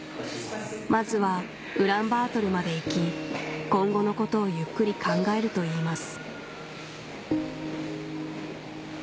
まずはウランバートルまで行き今後のことをゆっくり考えるといいます